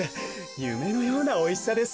ゆめのようなおいしさです。